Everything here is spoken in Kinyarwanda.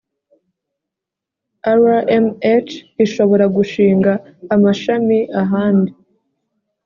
rmh ishobora gushinga amashami ahandi